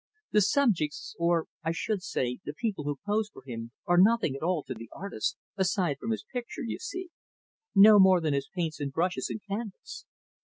The subjects or, I should say, the people who pose for him are nothing at all to the artist aside from his picture, you see no more than his paints and brushes and canvas.